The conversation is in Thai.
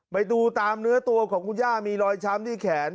ไปดูตามเนื้อตัวของคุณย่ามีรอยช้ำที่แขน